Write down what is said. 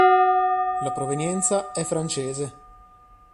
La provenienza è francese.